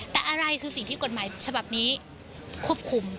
แต่อะไรคือสิ่งที่กฎหมายฉบับนี้ควบคุม